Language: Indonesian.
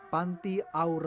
pantai aura walas asih